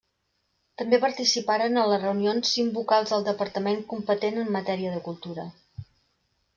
També participaran en les reunions cinc vocals del departament competent en matèria de cultura.